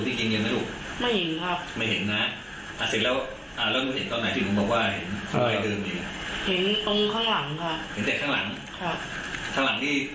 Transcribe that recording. นักสองนะนักสองเขาเดินมาจากจุดที่ยิงทักแรกใช่ไหมเดินเข้ามาด้วยอย่างนี้